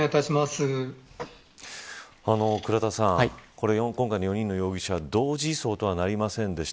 倉田さん、今回の４人の容疑者同時移送とはなりませんでした。